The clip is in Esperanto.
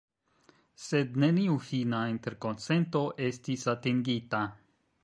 Sed neniu fina interkonsento estis atingita.